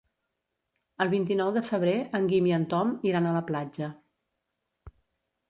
El vint-i-nou de febrer en Guim i en Tom iran a la platja.